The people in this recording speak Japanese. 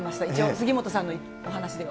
杉本さんのお話では。